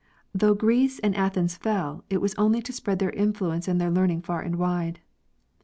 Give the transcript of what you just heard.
Though Greece and Athens fell, it was only to spread their influence and learning far and wide.